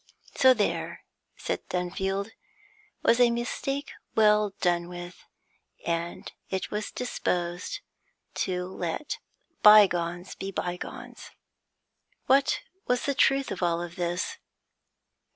So there, said Dunfield, was a mistake well done with; and it was disposed to let bygones be bygones. What was the truth of all this?